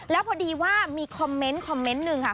แล้วพอดีว่ามีคอมเมนต์คอมเมนต์หนึ่งค่ะ